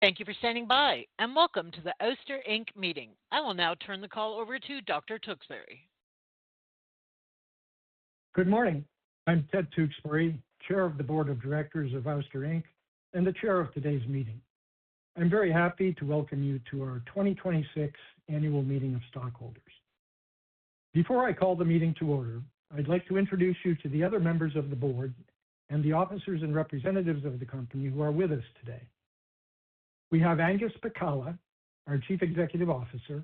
Thank you for standing by, welcome to the Ouster Inc. meeting. I will now turn the call over to Dr. Tewksbury. Good morning. I'm Ted Tewksbury, chair of the board of directors of Ouster Inc., and the chair of today's meeting. I'm very happy to welcome you to our 2026 annual meeting of stockholders. Before I call the meeting to order, I'd like to introduce you to the other members of the board and the officers and representatives of the company who are with us today. We have Angus Pacala, our Chief Executive Officer,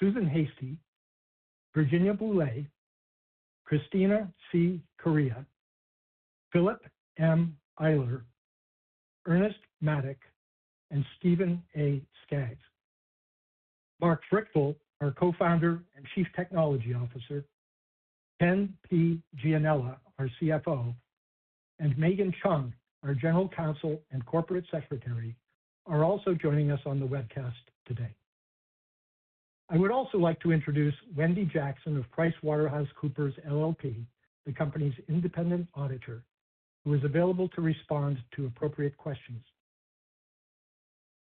Susan Heystee, Virginia Boulet, Christina C. Correia, Philip M. Eyler, Ernest E. Maddock, and Stephen A. Skaggs. Mark Frichtl, our co-founder and Chief Technology Officer, Kenneth Gianella, our CFO, and Megan Chung, our General Counsel and Corporate Secretary, are also joining us on the webcast today. I would also like to introduce Wendy Jackson of PricewaterhouseCoopers LLP, the company's independent auditor, who is available to respond to appropriate questions.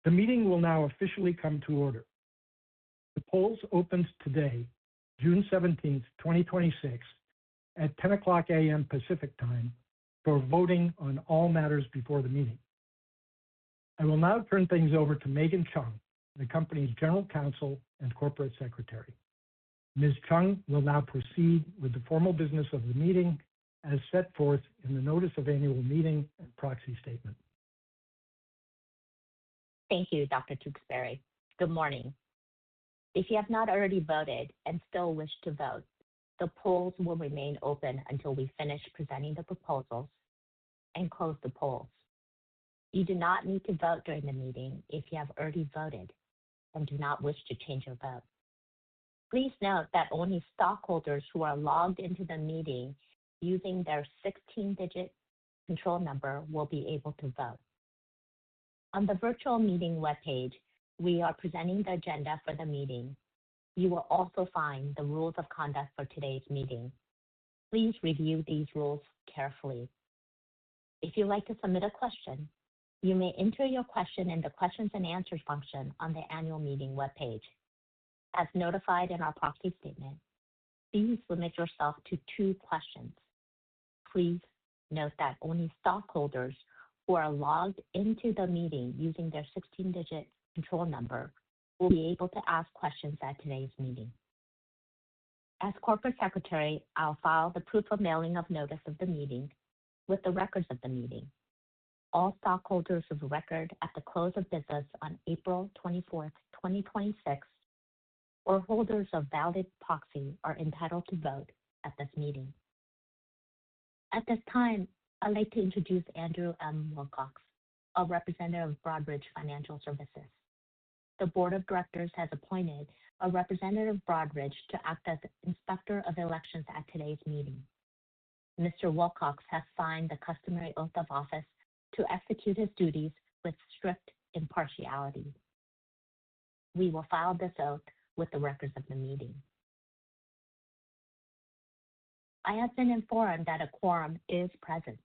The meeting will now officially come to order. The polls opened today, June 17th, 2026, at 10:00 A.M. Pacific Time for voting on all matters before the meeting. I will now turn things over to Megan Chung, the company's General Counsel and Corporate Secretary. Ms. Chung will now proceed with the formal business of the meeting as set forth in the notice of annual meeting and proxy statement. Thank you, Dr. Tewksbury. Good morning. If you have not already voted and still wish to vote, the polls will remain open until we finish presenting the proposals and close the polls. You do not need to vote during the meeting if you have already voted and do not wish to change your vote. Please note that only stockholders who are logged into the meeting using their 16-digit control number will be able to vote. On the virtual meeting webpage, we are presenting the agenda for the meeting. You will also find the rules of conduct for today's meeting. Please review these rules carefully. If you'd like to submit a question, you may enter your question in the questions and answers function on the annual meeting webpage. As notified in our proxy statement, please limit yourself to two questions. Please note that only stockholders who are logged into the meeting using their 16-digit control number will be able to ask questions at today's meeting. As Corporate Secretary, I'll file the proof of mailing of notice of the meeting with the records of the meeting. All stockholders of record at the close of business on April 24th, 2026, or holders of valid proxy are entitled to vote at this meeting. At this time, I'd like to introduce Andrew M. Wilcox, a representative of Broadridge Financial Solutions. The board of directors has appointed a representative of Broadridge to act as Inspector of Elections at today's meeting. Mr. Wilcox has signed the customary oath of office to execute his duties with strict impartiality. We will file this oath with the records of the meeting. I have been informed that a quorum is present.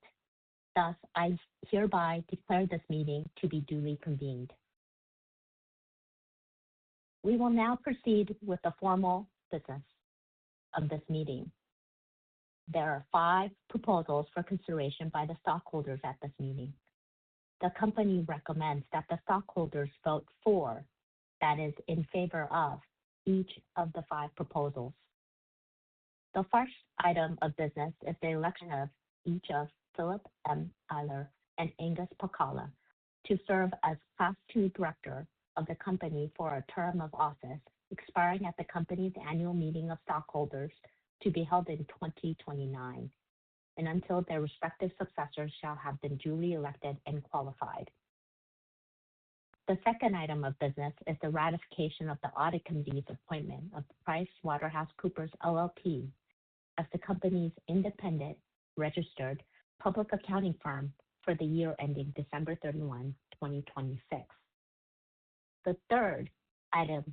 I hereby declare this meeting to be duly convened. We will now proceed with the formal business of this meeting. There are five proposals for consideration by the stockholders at this meeting. The company recommends that the stockholders vote for, that is, in favor of, each of the five proposals. The first item of business is the election of each of Philip M. Eyler and Angus Pacala to serve as class 2 director of the company for a term of office expiring at the company's annual meeting of stockholders to be held in 2029, and until their respective successors shall have been duly elected and qualified. The second item of business is the ratification of the audit committee's appointment of PricewaterhouseCoopers LLP as the company's independent registered public accounting firm for the year ending December 31, 2026. The third item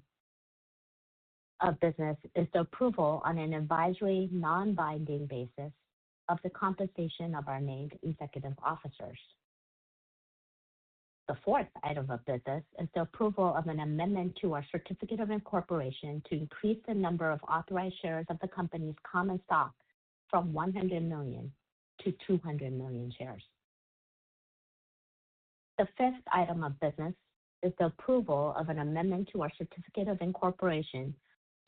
of business is the approval on an advisory, non-binding basis of the compensation of our named executive officers. The fourth item of business is the approval of an amendment to our certificate of incorporation to increase the number of authorized shares of the company's common stock from 100 million to 200 million shares. The fifth item of business is the approval of an amendment to our certificate of incorporation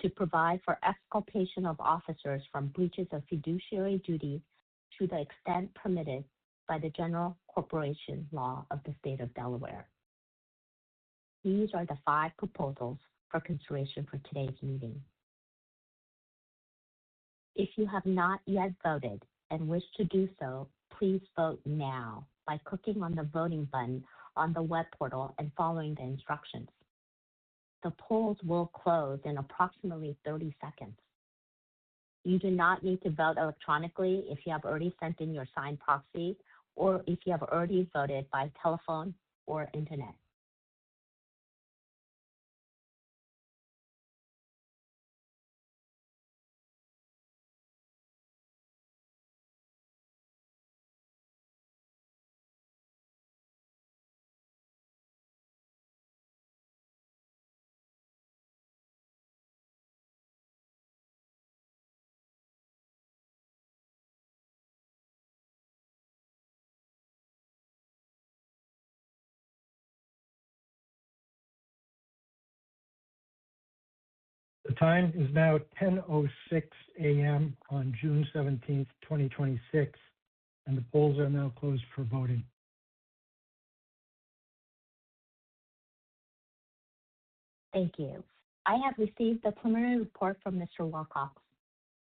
to provide for exculpation of officers from breaches of fiduciary duty to the extent permitted by the General Corporation Law of the state of Delaware. These are the five proposals for consideration for today's meeting. If you have not yet voted and wish to do so, please vote now by clicking on the voting button on the web portal and following the instructions. The polls will close in approximately 30 seconds. You do not need to vote electronically if you have already sent in your signed proxy or if you have already voted by telephone or internet. The time is now 10:06 A.M. on June 17th, 2026, and the polls are now closed for voting. Thank you. I have received the preliminary report from Mr. Wilcox,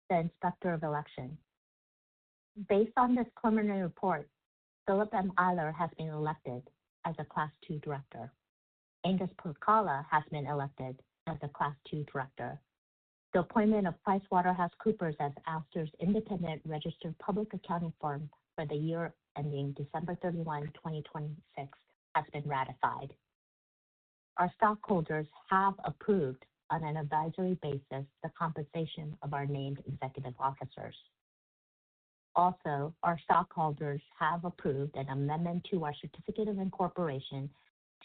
the Inspector of Election. Based on this preliminary report, Phillip M. Eyler has been elected as a class 2 director. Angus Pacala has been elected as a class 2 director. The appointment of PricewaterhouseCoopers as Ouster's independent registered public accounting firm for the year ending December 31, 2026, has been ratified. Our stockholders have approved on an advisory basis the compensation of our named executive officers. Our stockholders have approved an amendment to our certificate of incorporation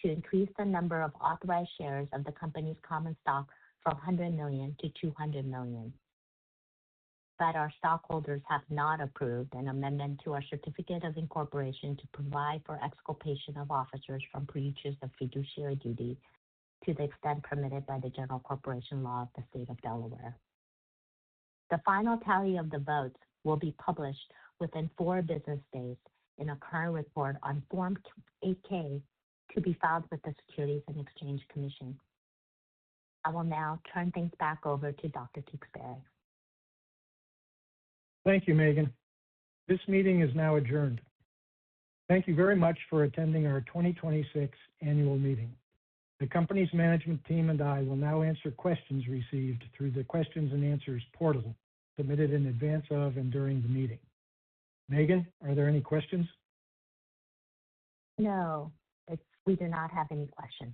to increase the number of authorized shares of the company's common stock from 100 million to 200 million. Our stockholders have not approved an amendment to our certificate of incorporation to provide for exculpation of officers from breaches of fiduciary duty to the extent permitted by the General Corporation Law of the State of Delaware. The final tally of the votes will be published within four business days in a current report on Form 8-K, to be filed with the Securities and Exchange Commission. I will now turn things back over to Dr. Tewksbury. Thank you, Megan. This meeting is now adjourned. Thank you very much for attending our 2026 annual meeting. The company's management team and I will now answer questions received through the questions and answers portal submitted in advance of and during the meeting. Megan, are there any questions? No. We do not have any questions.